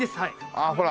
ああほら。